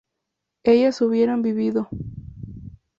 ellas hubieran vivido